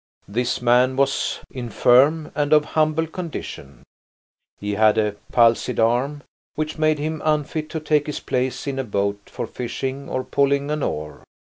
This man was infirm and of humble condition; he had a palsied arm, which made him unfit to take his place in a boat for fishing or pulling an oar.